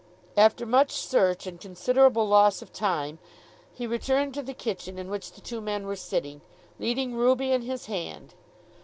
After much search and considerable loss of time he returned to the kitchen in which the two men were sitting, leading Ruby in his hand.